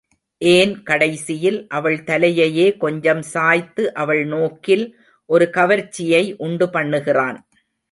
ஏன் கடைசியில் அவள் தலையையே கொஞ்சம் சாய்த்து அவள் நோக்கில் ஒரு கவர்ச்சியை உண்டு பண்ணுகிறான்.